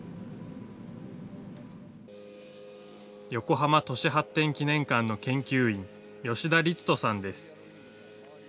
横浜都市発展記念館の研究員、吉田律人さんです。